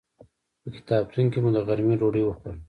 په کتابتون کې مو د غرمې ډوډۍ وخوړه.